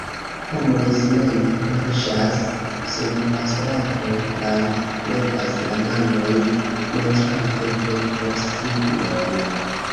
Homoj silente marŝas sur la stratoj kaj levas la manojn montrante venkosignon.